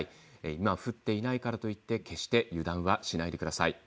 今、降っていないからといって決して油断しないでください。